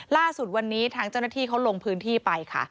ล่าสุดวันนี้ทางเจ้าหน้าที่เขาลงพื้นที่ไปค่ะ